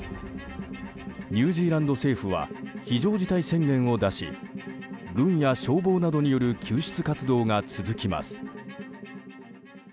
ニュージーランド政府は非常事態宣言を出し軍や消防などによる救出活動が続きます。